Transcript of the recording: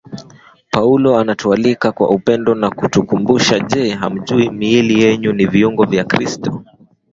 Paulo anatualika kwa upendo na kutukumbusha Je hamjui miili yenu ni viungo vya Kristo